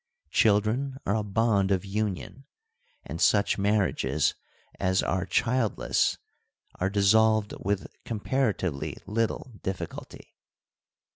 Children are a bond of union, and such marriages as are childless are dissolved with comparatively little difficulty.